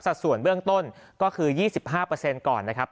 สัดส่วนเบื้องต้นก็คือ๒๕เปอร์เซ็นต์ก่อนนะครับ